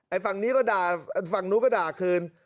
ฝั่งนี้ก็ด่าฝั่งนู้นก็ด่าคืน